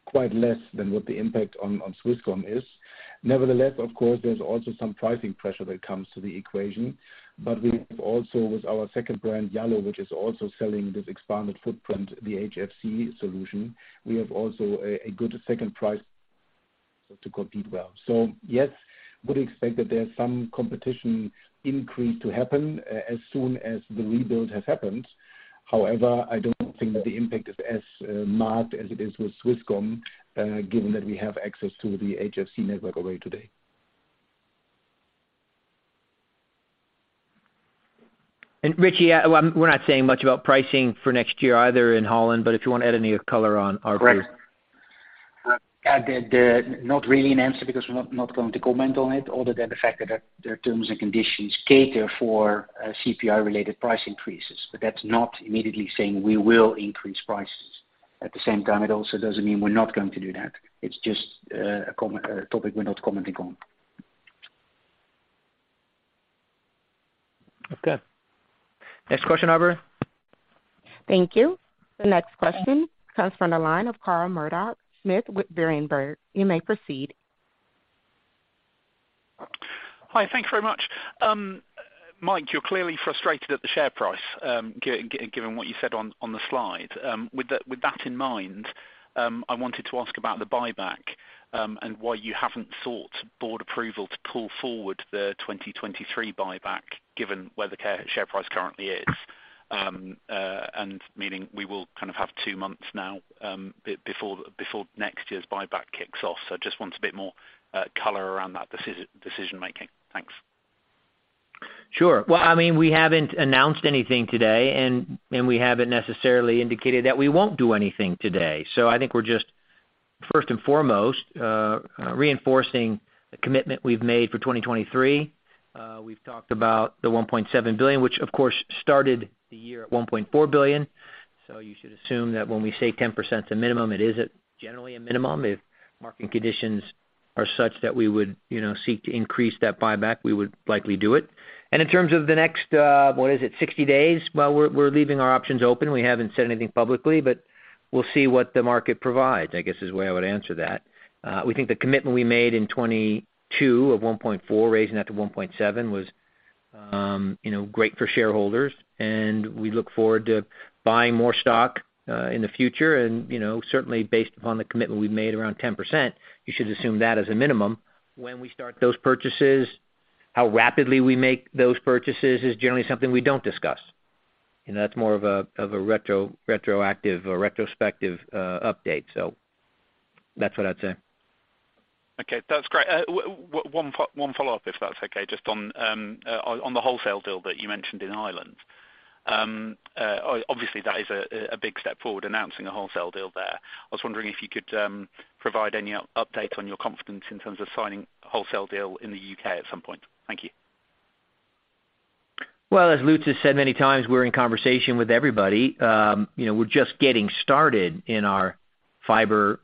quite less than what the impact on Swisscom is. Nevertheless, of course, there's also some pricing pressure that comes into the equation. We also, with our second brand, yallo, which is also selling this expanded footprint, the HFC solution. We have also a good second price point to compete well. Yes, would expect that there's some competition increase to happen as soon as the rebuild has happened. However, I don't think that the impact is as marked as it is with Swisscom, given that we have access to the HFC network already today. Ritchy, we're not saying much about pricing for next year either in Holland, but if you want to add any color on our view. Correct. Not really an answer because we're not going to comment on it, other than the fact that their terms and conditions cater for CPI related price increases. That's not immediately saying we will increase prices. At the same time, it also doesn't mean we're not going to do that. It's just a topic we're not commenting on. Okay. Next question, operator. Thank you. The next question comes from the line of Carl Murdock-Smith with Berenberg. You may proceed. Hi, thank you very much. Mike, you're clearly frustrated at the share price, given what you said on the slide. With that in mind, I wanted to ask about the buyback, and why you haven't sought board approval to pull forward the 2023 buyback, given where the share price currently is. Meaning we will kind of have two months now, before next year's buyback kicks off. Just want a bit more color around that decision making. Thanks. Sure. Well, I mean, we haven't announced anything today, and we haven't necessarily indicated that we won't do anything today. I think we're just first and foremost reinforcing the commitment we've made for 2023. We've talked about the $1.7 billion, which of course started the year at $1.4 billion. You should assume that when we say 10% is a minimum, it isn't generally a minimum. If market conditions are such that we would, you know, seek to increase that buyback, we would likely do it. In terms of the next, what is it, 60 days? Well, we're leaving our options open. We haven't said anything publicly, but we'll see what the market provides, I guess, is the way I would answer that. We think the commitment we made in 2022 of $1.4, raising that to $1.7 was, you know, great for shareholders, and we look forward to buying more stock in the future. You know, certainly based upon the commitment we've made around 10%, you should assume that as a minimum. When we start those purchases, how rapidly we make those purchases is generally something we don't discuss. You know, that's more of a retrospective update. That's what I'd say. Okay, that's great. One follow-up, if that's okay. Just on the wholesale deal that you mentioned in Ireland. Obviously, that is a big step forward, announcing a wholesale deal there. I was wondering if you could provide any update on your confidence in terms of signing a wholesale deal in the U.K. at some point. Thank you. Well, as Lutz has said many times, we're in conversation with everybody. You know, we're just getting started in our fiber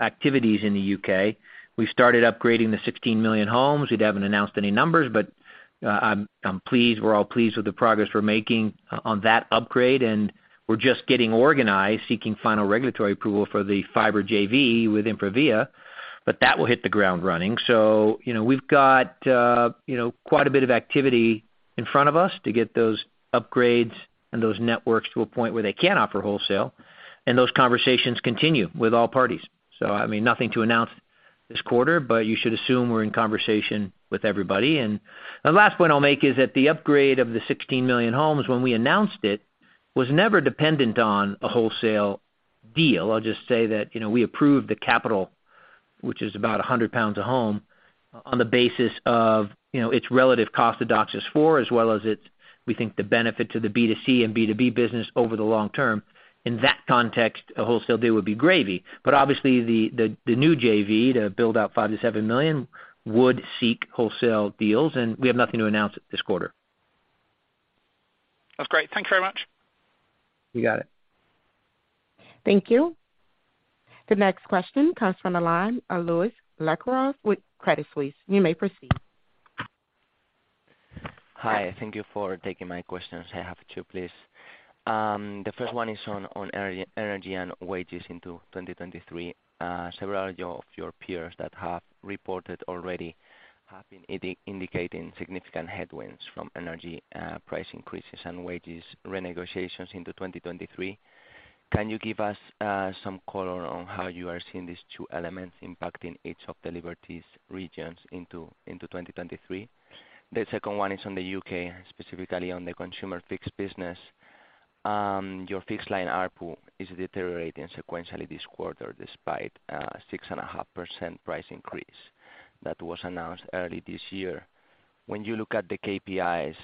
activities in the U.K.. We started upgrading the 16 million homes. We haven't announced any numbers, but I'm pleased, we're all pleased with the progress we're making on that upgrade, and we're just getting organized, seeking final regulatory approval for the fiber JV with InfraVia. That will hit the ground running. You know, we've got, you know, quite a bit of activity in front of us to get those upgrades and those networks to a point where they can offer wholesale. Those conversations continue with all parties. I mean, nothing to announce this quarter, but you should assume we're in conversation with everybody. The last point I'll make is that the upgrade of the 16 million homes when we announced it was never dependent on a wholesale deal. I'll just say that, you know, we approved the capital, which is about 100 pounds a home on the basis of, you know, its relative cost to DOCSIS 4.0 as well as its, we think, the benefit to the B2C and B2B business over the long term. In that context, a wholesale deal would be gravy, but obviously the new JV to build out 5 million to 7 million would seek wholesale deals, and we have nothing to announce it this quarter. That's great. Thank you very much. You got it. Thank you. The next question comes from the line of Ulrich Rathe with Credit Suisse. You may proceed. Hi. Thank you for taking my questions. I have two, please. The first one is on energy and wages into 2023. Several of your peers that have reported already have been indicating significant headwinds from energy price increases and wages renegotiations into 2023. Can you give us some color on how you are seeing these two elements impacting each of the Liberty's regions into 2023? The second one is on the U.K., specifically on the consumer fixed business. Your fixed line ARPU is deteriorating sequentially this quarter despite a 6.5% price increase that was announced early this year. When you look at the KPIs,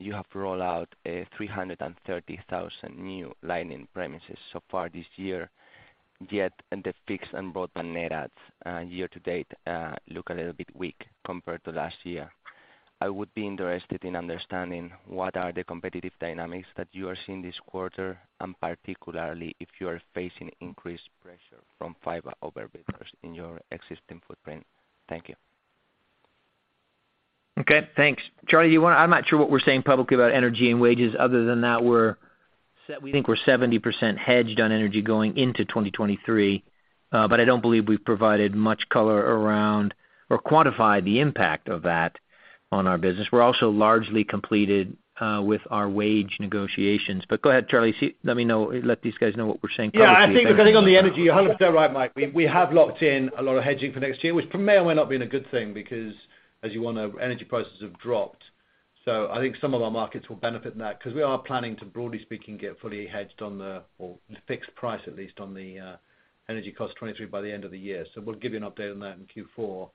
you have rolled out a 330,000 new line in premises so far this year, yet in the fixed and broadband net adds, year to date, look a little bit weak compared to last year. I would be interested in understanding what are the competitive dynamics that you are seeing this quarter, and particularly if you are facing increased pressure from fiber overbuilders in your existing footprint. Thank you. Okay, thanks. Charlie, I'm not sure what we're saying publicly about energy and wages other than that we think we're 70% hedged on energy going into 2023, but I don't believe we've provided much color around or quantified the impact of that on our business. We're also largely completed with our wage negotiations. Go ahead, Charlie. See, let me know. Let these guys know what we're saying publicly about energy. Yeah. I think the thing on the energy, you're 100% right, Mike. We have locked in a lot of hedging for next year, which may or may not been a good thing because as you well know, energy prices have dropped. I think some of our markets will benefit in that because we are planning to, broadly speaking, get fully hedged on the or fixed price, at least on the energy cost 2023 by the end of the year. We'll give you an update on that in Q4.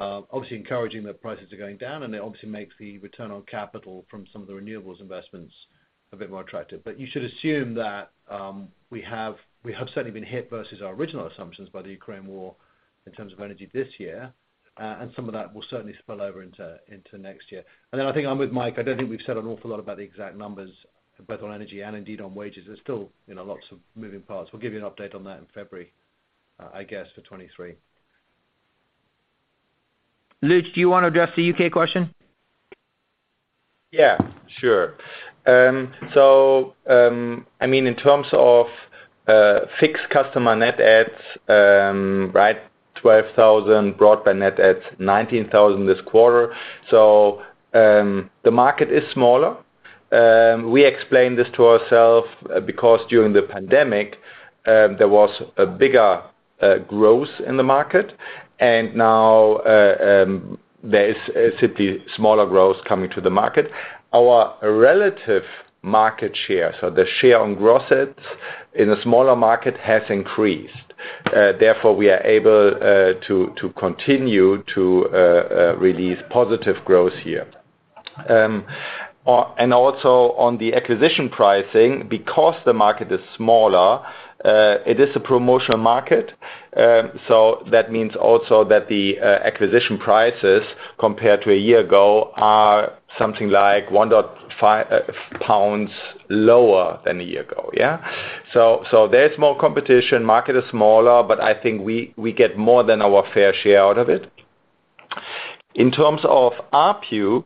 Obviously encouraging that prices are going down, and it obviously makes the return on capital from some of the renewables investments a bit more attractive. You should assume that we have certainly been hit versus our original assumptions by the Ukraine war in terms of energy this year, and some of that will certainly spill over into next year. I think I'm with Mike. I don't think we've said an awful lot about the exact numbers both on energy and indeed on wages. There's still, you know, lots of moving parts. We'll give you an update on that in February, I guess for 2023. Lutz, do you wanna address the U.K. question? Yeah, sure. So, I mean, in terms of fixed customer net adds, right, 12,000 broadband net adds, 19,000 this quarter. The market is smaller. We explain this to ourself because during the pandemic there was a bigger growth in the market, and now there is simply smaller growth coming to the market. Our relative market share, so the share on gross adds in a smaller market has increased. Therefore, we are able to continue to release positive growth here. And also on the acquisition pricing, because the market is smaller, it is a promotional market, so that means also that the acquisition prices compared to a year ago are something like 1 lower than a year ago, yeah? There's more competition. Market is smaller, but I think we get more than our fair share out of it. In terms of ARPU,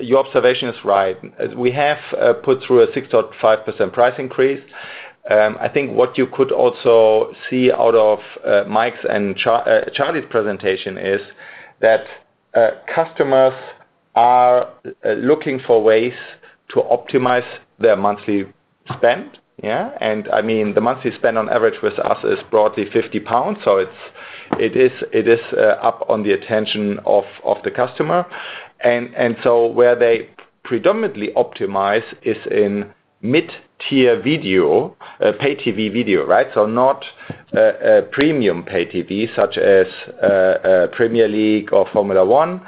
your observation is right. We have put through a 6.5% price increase. I think what you could also see out of Mike's and Charlie's presentation is that customers are looking for ways to optimize their monthly spend, yeah? I mean, the monthly spend on average with us is broadly 50 pounds. It's up on the attention of the customer. Where they predominantly optimize is in mid-tier video pay TV video, right? Not premium pay TV such as Premier League or Formula One,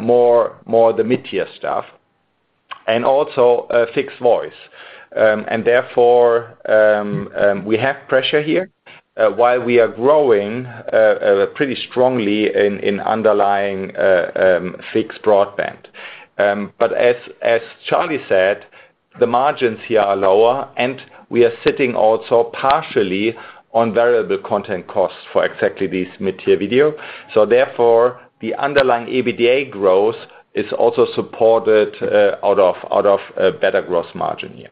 more the mid-tier stuff, and also fixed voice. Therefore, we have pressure here while we are growing pretty strongly in underlying fixed broadband. As Charlie said, the margins here are lower, and we are sitting also partially on variable content costs for exactly these mid-tier video. Therefore, the underlying EBITDA growth is also supported out of better gross margin here.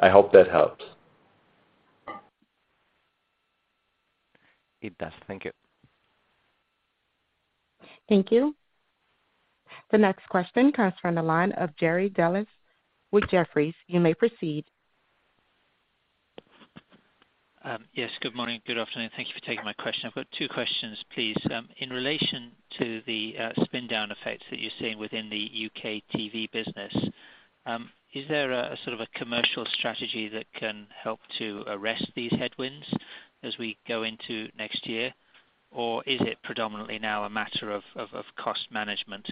I hope that helps. It does. Thank you. Thank you. The next question comes from the line of Jerry Dellis with Jefferies. You may proceed. Yes, good morning. Good afternoon. Thank you for taking my question. I've got two questions, please. In relation to the spin down effects that you're seeing within the U.K. TV business, is there a sort of a commercial strategy that can help to arrest these headwinds? As we go into next year, or is it predominantly now a matter of cost management?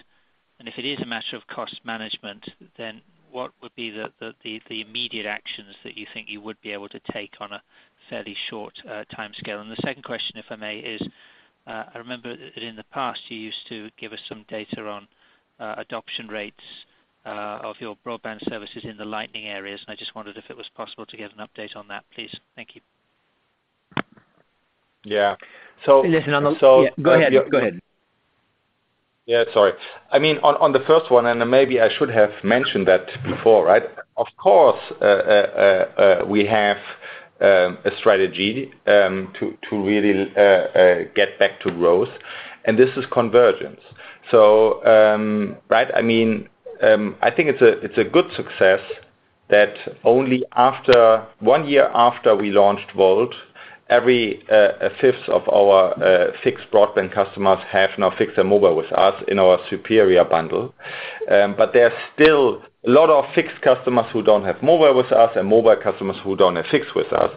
And if it is a matter of cost management, then what would be the immediate actions that you think you would be able to take on a fairly short timescale? And the second question, if I may, is I remember that in the past you used to give us some data on adoption rates of your broadband services in the Lightning areas. I just wondered if it was possible to get an update on that, please. Thank you. Yeah, go ahead. Go ahead. Yeah, sorry. I mean, on the first one, then maybe I should have mentioned that before, right? Of course, we have a strategy to really get back to growth, and this is convergence. Right, I mean, I think it's a good success that only after one year after we launched Volt, a fifth of our fixed broadband customers have now fixed their mobile with us in our superior bundle. But there are still a lot of fixed customers who don't have mobile with us and mobile customers who don't have fixed with us.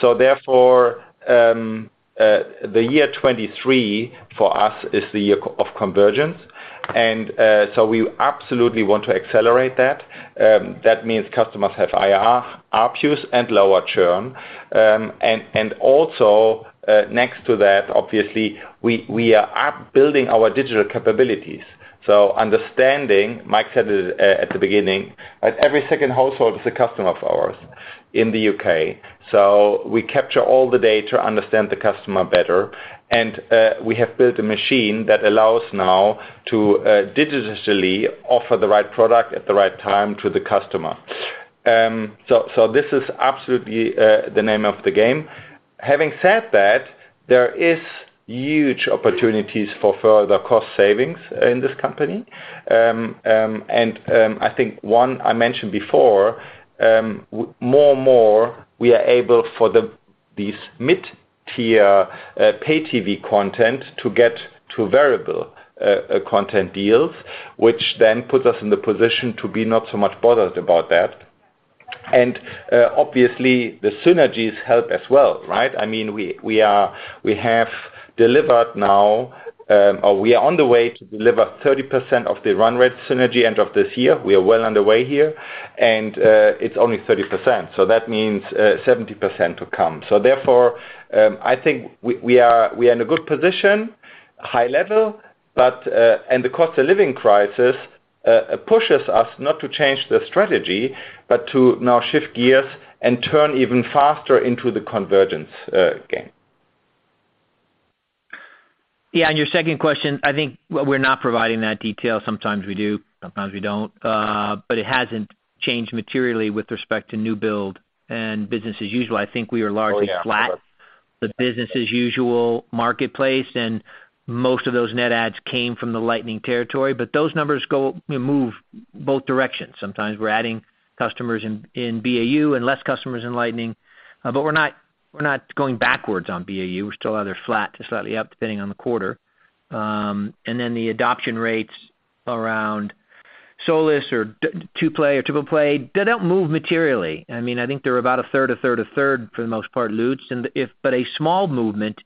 Therefore, the year 2023 for us is the year of convergence. We absolutely want to accelerate that. That means customers have higher ARPUs and lower churn. Next to that, obviously, we are building up our digital capabilities. Understanding, Mike said this at the beginning, every second household is a customer of ours in the U.K.. We capture all the data, understand the customer better, and we have built a machine that allows us now to digitally offer the right product at the right time to the customer. This is absolutely the name of the game. Having said that, there is huge opportunities for further cost savings in this company. I think one I mentioned before, more and more, we are able to get these mid-tier pay TV content to variable content deals, which then puts us in the position to be not so much bothered about that. Obviously, the synergies help as well, right? I mean, we have delivered now, or we are on the way to deliver 30% of the run rate synergy end of this year. We are well underway here, and it's only 30%, so that means 70% to come. Therefore, I think we are in a good position, high level, but and the cost of living crisis pushes us not to change the strategy, but to now shift gears and turn even faster into the convergence game. Yeah. On your second question, I think we're not providing that detail. Sometimes we do, sometimes we don't. But it hasn't changed materially with respect to new build and business as usual. I think we are largely flat. The business as usual marketplace, most of those net adds came from the Lightning territory. Those numbers move both directions. Sometimes we're adding customers in BAU and less customers in Lightning. We're not going backwards on BAU. We're still either flat to slightly up, depending on the quarter. The adoption rates around solus or two play or triple play, they don't move materially. I mean, I think they're about a third, a third, a third for the most part, Lutz. A small movement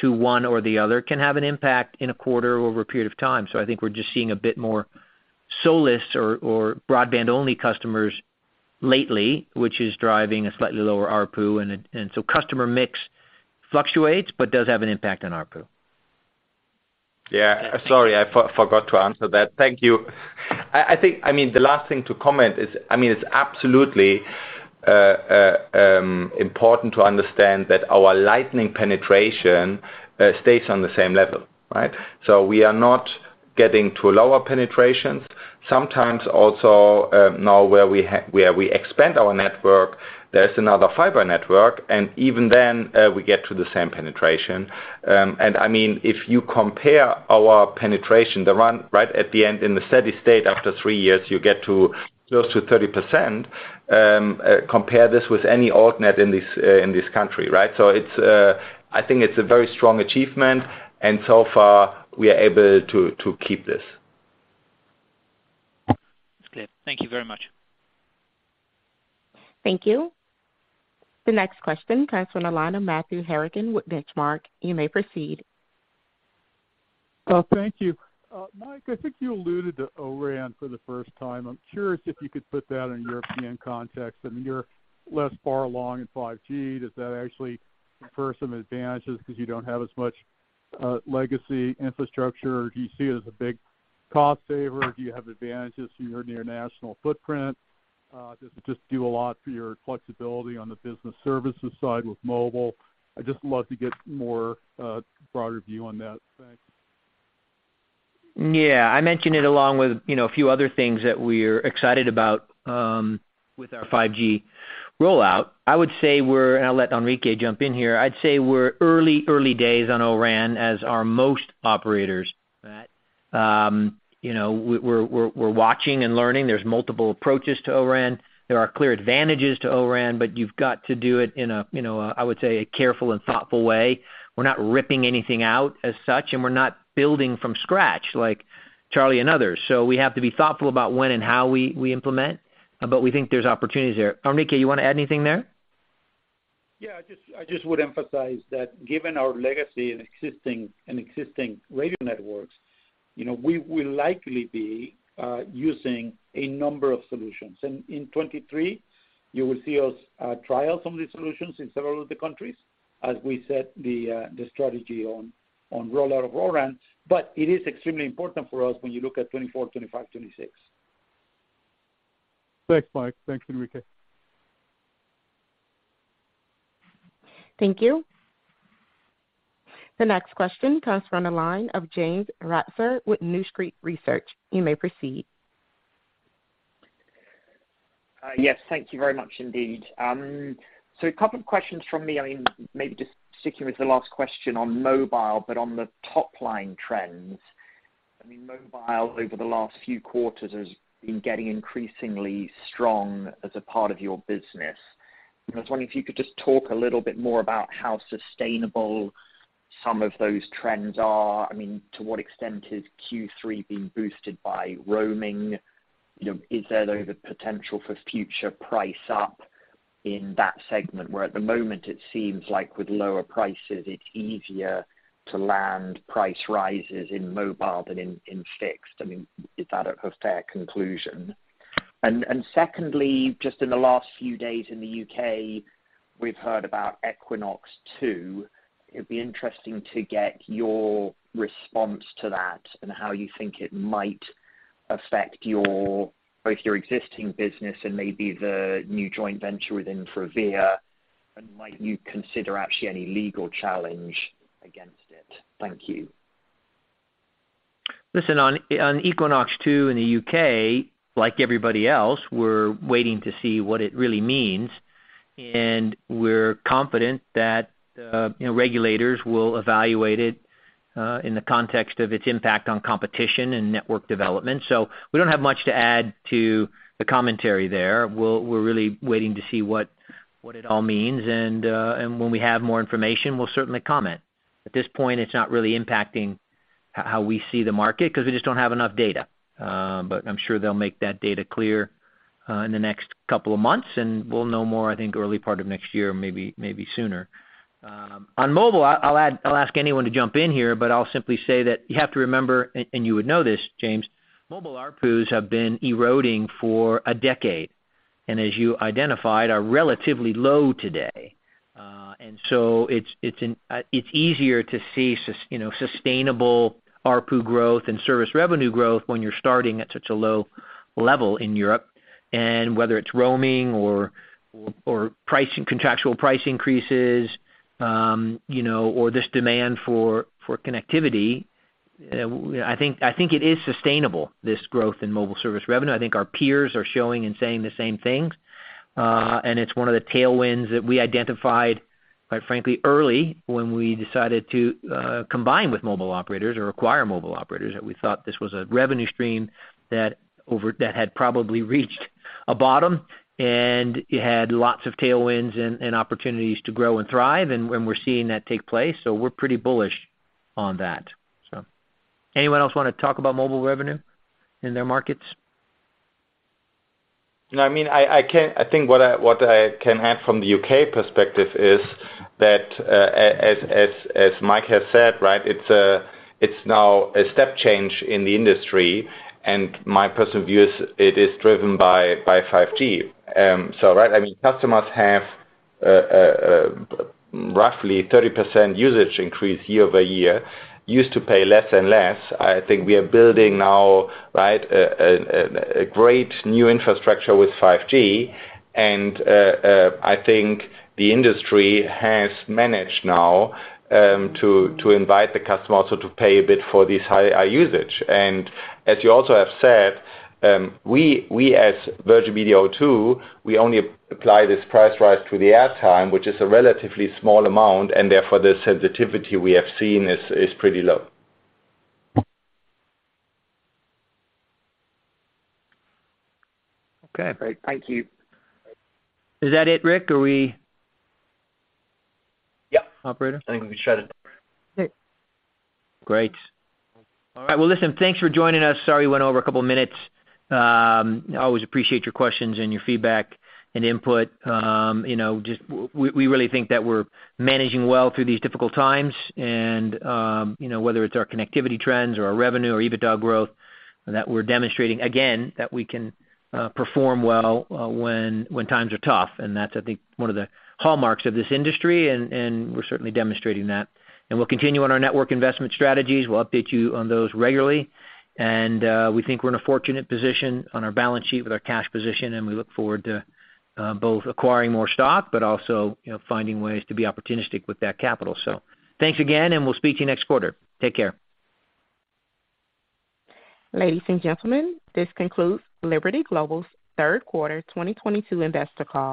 to one or the other can have an impact in a quarter over a period of time. We're just seeing a bit more solus or broadband-only customers lately, which is driving a slightly lower ARPU. Customer mix fluctuates, but does have an impact on ARPU. Yeah. Sorry, I forgot to answer that. Thank you. I think, I mean, the last thing to comment is, I mean, it's absolutely important to understand that our Lightning penetration stays on the same level, right? We are not getting to lower penetrations. Sometimes also, now where we expand our network, there's another fiber network, and even then, we get to the same penetration. I mean, if you compare our penetration, the run rate at the end in the steady state after three years, you get to close to 30%. Compare this with any altnet in this country, right? It's, I think it's a very strong achievement, and so far, we are able to keep this. It's clear. Thank you very much. Thank you. The next question comes from the line of Matthew Harrigan with Benchmark. You may proceed. Thank you. Mike, I think you alluded to O-RAN for the first time. I'm curious if you could put that in European context, and you're less far along in 5G. Does that actually confer some advantages because you don't have as much legacy infrastructure? Do you see it as a big cost saver? Do you have advantages to your international footprint? Does it just do a lot for your flexibility on the business services side with mobile? I'd just love to get more broader view on that. Thanks. Yeah. I mentioned it along with, you know, a few other things that we're excited about with our 5G rollout. I would say we're, and I'll let Enrique jump in here. I'd say we're early days on O-RAN as are most operators, right? You know, we're watching and learning. There's multiple approaches to O-RAN. There are clear advantages to O-RAN, but you've got to do it in a, you know, I would say a careful and thoughtful way. We're not ripping anything out as such, and we're not building from scratch like Charlie and others. We have to be thoughtful about when and how we implement. We think there's opportunities there. Enrique, you wanna add anything there? Yeah. I just would emphasize that given our legacy and existing radio networks, you know, we will likely be using a number of solutions. In 2023, you will see us trial some of these solutions in several of the countries as we set the strategy on rollout of O-RAN. It is extremely important for us when you look at 2024, 2025, 2026. Thanks, Mike. Thanks, Enrique. Thank you. The next question comes from the line of James Ratzer with New Street Research. You may proceed. Yes. Thank you very much indeed. A couple of questions from me. I mean, maybe just sticking with the last question on mobile, but on the top line trends. I mean, mobile over the last few quarters has been getting increasingly strong as a part of your business. I was wondering if you could just talk a little bit more about how sustainable some of those trends are. I mean, to what extent is Q3 being boosted by roaming? You know, is there the potential for future price up in that segment, where at the moment it seems like with lower prices it's easier to land price rises in mobile than in fixed. I mean, is that a fair conclusion? Secondly, just in the last few days in the U.K., we've heard about Equinox 2. It'd be interesting to get your response to that and how you think it might affect your both your existing business and maybe the new joint venture with InfraVia, and might you consider actually any legal challenge against it? Thank you. Listen, on Equinox 2 in the U.K., like everybody else, we're waiting to see what it really means. We're confident that, you know, regulators will evaluate it, in the context of its impact on competition and network development. We don't have much to add to the commentary there. We're really waiting to see what it all means, and when we have more information, we'll certainly comment. At this point, it's not really impacting how we see the market 'cause we just don't have enough data. I'm sure they'll make that data clear, in the next couple of months, and we'll know more, I think, early part of next year, maybe sooner. On mobile, I'll add, I'll ask anyone to jump in here, but I'll simply say that you have to remember, and you would know this, James. Mobile ARPU's have been eroding for a decade, and as you identified, are relatively low today. It's easier to see you know, sustainable ARPU growth and service revenue growth when you're starting at such a low level in Europe. Whether it's roaming or contractual price increases, you know, or this demand for connectivity, I think it is sustainable, this growth in mobile service revenue. I think our peers are showing and saying the same things. It's one of the tailwinds that we identified, quite frankly early, when we decided to combine with mobile operators or acquire mobile operators, that we thought this was a revenue stream that had probably reached a bottom, and it had lots of tailwinds and opportunities to grow and thrive. We're seeing that take place, so we're pretty bullish on that. Anyone else wanna talk about mobile revenue in their markets? No, I mean, I think what I can add from the U.K. perspective is that, as Mike has said, right, it's now a step change in the industry and my personal view is it is driven by 5G. I mean, customers have roughly 30% usage increase year-over-year. Used to pay less and less. I think we are building now, right, a great new infrastructure with 5G and I think the industry has managed now to invite the customer also to pay a bit for this higher usage. As you also have said, we as Virgin Media O2 only apply this price rise to the airtime, which is a relatively small amount, and therefore the sensitivity we have seen is pretty low. Okay. Great. Thank you. Is that it, Rick? Are we? Operators? I think we should. Great. All right. Well, listen, thanks for joining us. Sorry we went over a couple minutes. I always appreciate your questions and your feedback and input. You know, we really think that we're managing well through these difficult times and, you know, whether it's our connectivity trends or our revenue or EBITDA growth, that we're demonstrating, again, that we can perform well, when times are tough. That's, I think, one of the hallmarks of this industry and we're certainly demonstrating that. We'll continue on our network investment strategies. We'll update you on those regularly. We think we're in a fortunate position on our balance sheet with our cash position, and we look forward to both acquiring more stock but also, you know, finding ways to be opportunistic with that capital. Thanks again, and we'll speak to you next quarter. Take care. Ladies and gentlemen, this concludes Liberty Global's third quarter 2022 investor call.